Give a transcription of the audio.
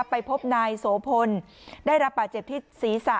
ไปพบนายโสพลได้รับบาดเจ็บที่ศีรษะ